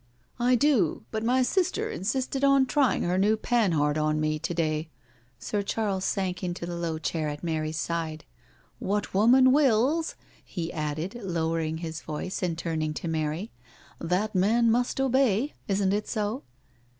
'*'^' I do, but my sister insisted on trying her new Panhard on me to day.'* Sir Charles sank into the low chair at Mary's side. " What woman wills," he added, lowering his voice and turning to Mary, " that man must obey — isn't it so?"